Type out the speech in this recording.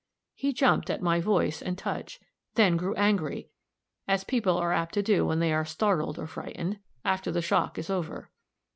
He jumped at my voice and touch; then grew angry, as people are apt to do when they are startled or frightened, after the shock is over.